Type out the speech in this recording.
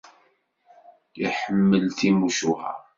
Iḥemmel timucuha.